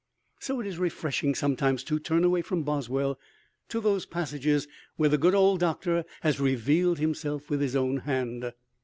So it is refreshing sometimes to turn away from Boswell to those passages where the good old Doctor has revealed himself with his own hand.